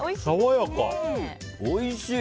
おいしい！